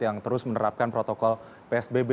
yang terus menerapkan protokol psbb